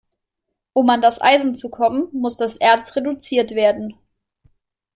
Um an das Eisen zu kommen, muss das Erz reduziert werden.